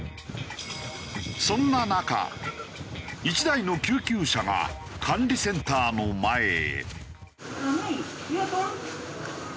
そんな中１台の救急車が管理センターの前へ。